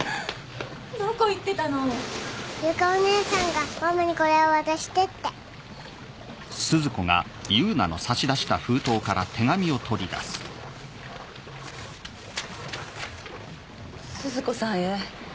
どこ行ってたの⁉由香お姉さんがママにこれを渡してって「鈴子さんへ」